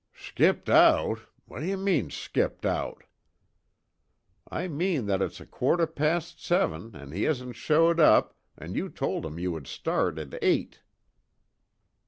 "Skipped out? Washa mean skipped out?" "I mean that it's a quarter past seven and he hasn't showed up and you told him you would start at eight."